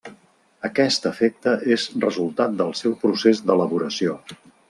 Aquest efecte és resultat del seu procés d'elaboració.